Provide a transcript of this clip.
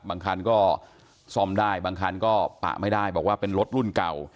บางคันก็ซ่อมได้บางคันก็ปะไม่ได้บอกว่าเป็นรถรุ่นเก่า